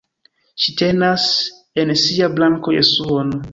Ŝi tenas en sia brako Jesuon.